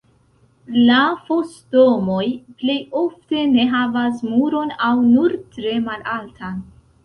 La fos-domoj plej ofte ne havas muron aŭ nur tre malaltan.